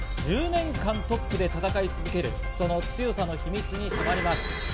１０年間トップで戦い続けるその強さの秘密に迫ります。